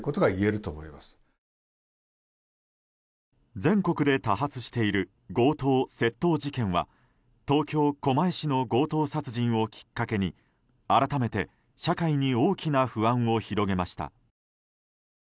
全国で多発している強盗・窃盗事件は東京・狛江市の強盗殺人事件をきっかけに改めて社会に大きな不安を広げました。